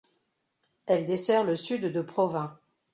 Elle dessert le sud de Provins.